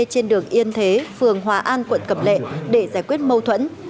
trên đường yên thế phường hòa an quận cẩm lệ để giải quyết mâu thuẫn